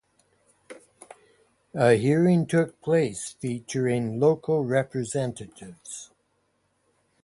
A hearing took place featuring local representatives.